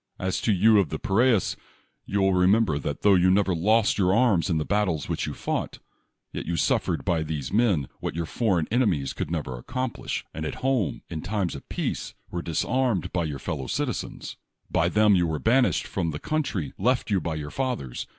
As to you of the Pinrus, you will remember that tho you never lost your arms in the battles which you fought, yet you sufTered by these men what your foreign enemies could never accomplish, and at home, in times of peace, were disarmed by your fellow citizens. By them you were 1)anished from the country left you by your fathers.